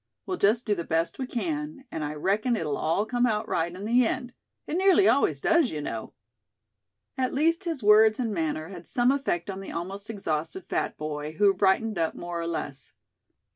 We'll just do the best we can; and I reckon it'll all come out right in the end. It nearly always does, you know." At least his words and manner had some effect on the almost exhausted fat boy, who brightened up more or less.